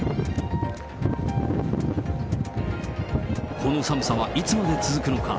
この寒さはいつまで続くのか。